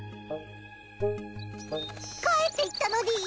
帰っていったのでぃす。